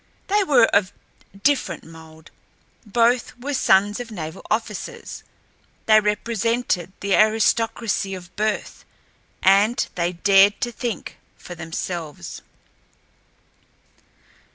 They were of different mold. Both were sons of naval officers. They represented the aristocracy of birth, and they dared to think for themselves.